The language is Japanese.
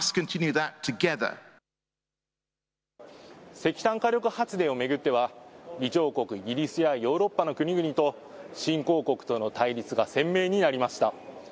石炭火力発電を巡っては議長国、イギリスやヨーロッパの国々と新興国との対立が鮮明になりました。